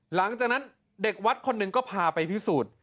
หลังจากนั้นเด็กวัดคนหนึ่งก็พาไปพิสูจน์